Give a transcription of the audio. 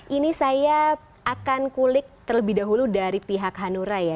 ini saya akan kulik terlebih dahulu dari pihak hanura ya